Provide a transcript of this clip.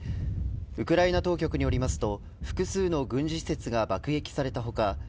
ウクライナ当局によりますと複数の軍事施設が爆撃された他